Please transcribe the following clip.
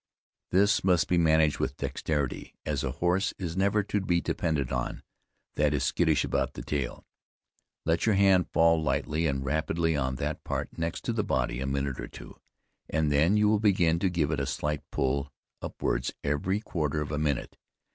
"This must be managed with dexterity, as a horse is never to be depended on that is skittish about the tail. Let your hand fall lightly and rapidly on that part next to the body a minute or two, and then you will begin to give it a slight pull upwards every quarter of a minute.